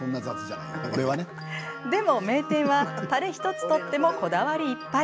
でも名店は、たれ１つとってもこだわりいっぱい。